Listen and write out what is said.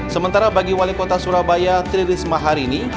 sementara bagi wali kota surabaya tririsma hari ini